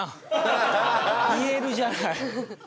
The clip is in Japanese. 言えるじゃない。